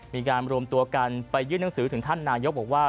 มีการรวมตัวกันไปยื่นหนังสือถึงท่านนายกบอกว่า